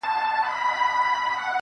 څنگه به هغه له ياده وباسم